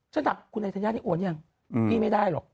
จะดักคุณนายธัญญานี่โอนยังพี่ไม่ได้หรอก